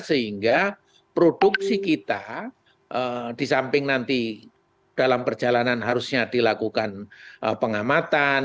sehingga produksi kita di samping nanti dalam perjalanan harusnya dilakukan pengamatan